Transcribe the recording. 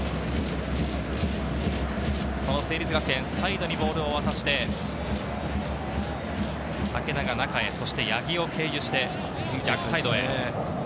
その成立学園、サイドにボールを渡して、武田が中へ、八木を経由して逆サイドへ。